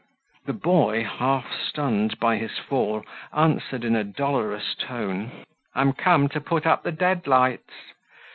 The boy, half stunned by his fall, answered in a dolorous tone, "I'm come to put up the dead lights."